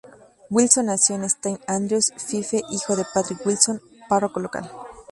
Wilson nació en Saint Andrews, Fife, hijo de Patrick Wilson, párroco local.